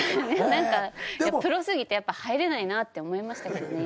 何かプロすぎて入れないなって思いましたけどね